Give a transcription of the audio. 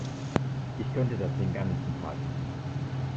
Ich könnte das den ganzen Tag machen.